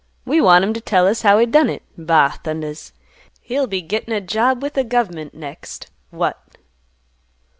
We want him t' tell us how he done it. Ba thundas! He'll be gittin' a job with th' gov'ment next. What!